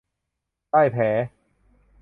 ได้แผล